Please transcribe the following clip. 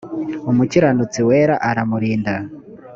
umukiranutsi wera aramurinda